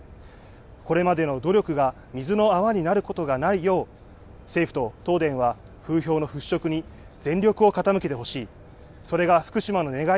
これまでの努力が水の泡になることがないよう、政府と東電は、風評の払拭に全力を傾けてほしい。